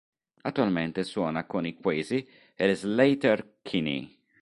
Attualmente suona con i Quasi e le Sleater-Kinney.